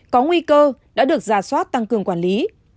có nguy cơ đã được giả soát tăng cường quản lý